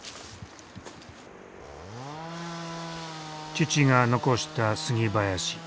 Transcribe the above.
父が残した杉林。